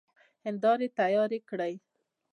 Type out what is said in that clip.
هيندارې تيارې کړئ!